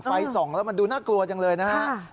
ไฟส่องแล้วมันดูน่ากลัวจังเลยนะฮะ